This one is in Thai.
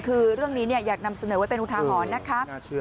คือเรื่องนี้อยากนำเสนอไว้เป็นอุทาหรณ์นะครับ